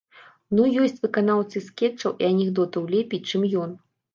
Ну, ёсць выканаўцы скетчаў і анекдотаў лепей, чым ён.